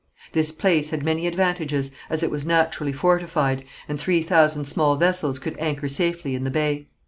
This place had many advantages, as it was naturally fortified, and three thousand small vessels could anchor safely in the bay.